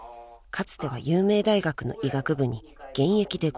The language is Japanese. かつては有名大学の医学部に現役で合格］